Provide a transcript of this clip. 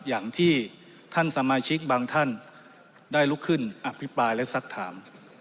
อย่างที่ท่านสมาชิกบางท่านได้ลุกขึ้นอภิปรายและสักถาม